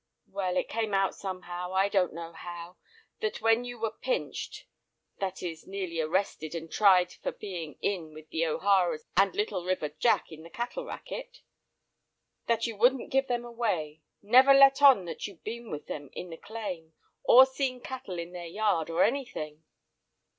"Well, it came out somehow, I don't know how, that when you were 'pinched' (that is, nearly arrested and tried for being 'in' with the O'Haras and Little River Jack in the cattle racket), that you wouldn't give them away; never let on that you'd been with them in the claim, or seen cattle in their yard or anything."